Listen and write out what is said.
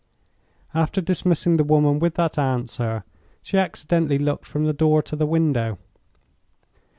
After dismissing the woman with that answer, she accidentally looked from the door to the window.